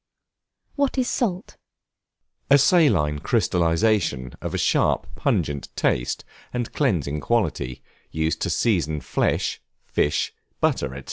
What is Salt? A saline crystallization of a sharp, pungent taste, and cleansing quality, used to season flesh, fish, butter, &c.